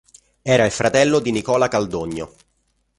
Era il fratello di Nicola Caldogno.